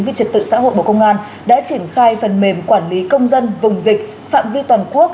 về trật tự xã hội bộ công an đã triển khai phần mềm quản lý công dân vùng dịch phạm vi toàn quốc